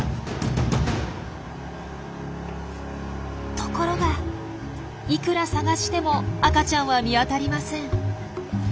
ところがいくら探しても赤ちゃんは見当たりません。